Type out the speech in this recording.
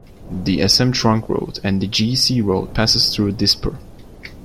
The Assam Trunk road and the G S road passes through Dispur.